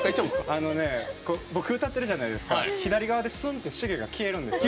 僕、歌ってるじゃないですか左側でスンッてシゲが消えるんですよ。